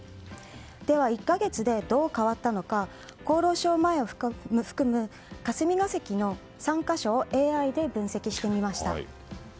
では、１か月でどう変わったのか厚労省前を含む霞が関の３か所をＡＩで分析してみました。